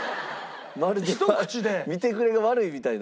まるで見てくれが悪いみたいな。